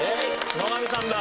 野上さんだ。